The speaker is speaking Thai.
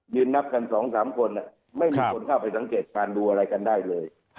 นับกัน๒๓คนไม่มีคนเข้าไปสังเกตการดูอะไรกันได้เลย